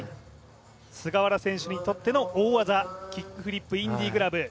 菅原選手にとっての大技、キックフリップインディ。